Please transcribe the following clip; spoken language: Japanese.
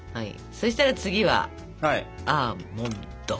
そしたら次はアーモンド。